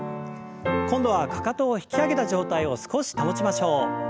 今度はかかとを引き上げた状態を少し保ちましょう。